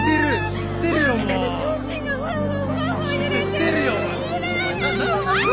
知ってるよ。